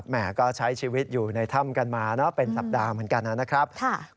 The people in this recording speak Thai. แม่ก็ใช้ชีวิตอยู่ในถ้ำกันมาเป็นสัปดาห์เหมือนกันนะครับ